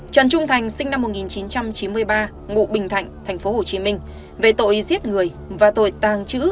trần trung thành sinh năm một nghìn chín trăm chín mươi ba ngụ bình thạnh tp hcm về tội giết người và tội tàng trữ